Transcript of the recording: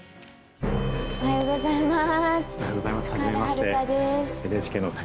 おはようございます。